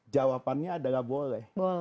jawabannya adalah boleh